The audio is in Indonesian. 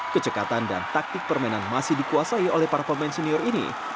kecekatan dan taktik permainan masih dikuasai oleh para pemain senior ini